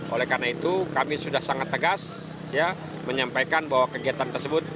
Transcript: oleh karena itu kami sudah sangat tegas menyampaikan bahwa kegiatan tersebut